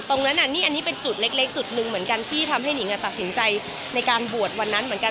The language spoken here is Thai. ตรงนั้นนี่อันนี้เป็นจุดเล็กจุดหนึ่งเหมือนกันที่ทำให้หนิงตัดสินใจในการบวชวันนั้นเหมือนกัน